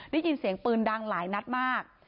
ได้ยินเสียงปืนดังหลายนัดมาก